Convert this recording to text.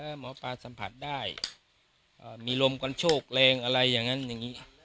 หมอปลาสัมผัสได้มีลมกันโชคแรงอะไรอย่างนั้นอย่างนี้